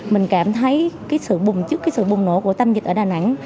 mình cảm thấy cái sự bùng chức cái sự bùng nổ của tâm dịch ở đà nẵng